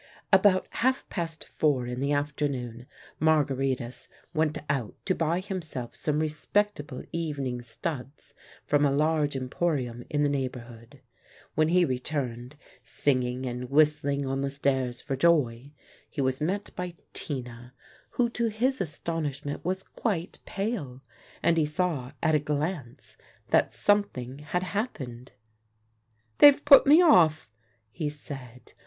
About half past four in the afternoon Margaritis went out to buy himself some respectable evening studs from a large emporium in the neighbourhood. When he returned, singing and whistling on the stairs for joy, he was met by Tina, who to his astonishment was quite pale, and he saw at a glance that something had happened. "They've put me off!" he said.